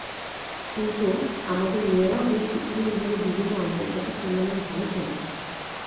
কিন্তু আমাদের মেয়েরাও বেশ কিছুদিন ধরে বিভিন্ন আন্তর্জাতিক টুর্নামেন্টে ভালো খেলছে।